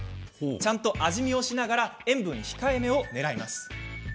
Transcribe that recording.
ちゃんと味見しながら塩分控えめをねらいます。